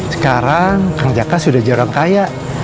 sekarang kang jaka sudah jarang kaya